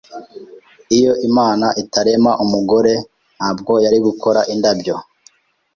Iyo Imana itarema umugore, ntabwo yari gukora indabyo